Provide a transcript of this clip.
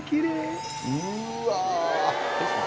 うわ！